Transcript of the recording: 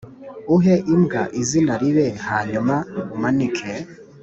uhe imbwa izina ribi hanyuma umanike